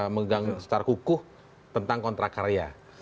mengganggu secara kukuh tentang kontrak karya